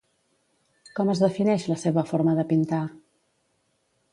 Com es defineix la seva forma de pintar?